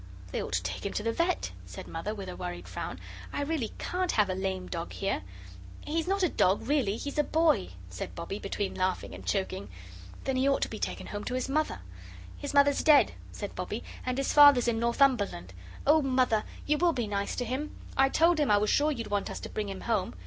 "They ought to take him to the vet," said Mother, with a worried frown; "I really CAN'T have a lame dog here." "He's not a dog, really he's a boy," said Bobbie, between laughing and choking. "Then he ought to be taken home to his mother." "His mother's dead," said Bobbie, "and his father's in Northumberland. Oh, Mother, you will be nice to him? I told him I was sure you'd want us to bring him home.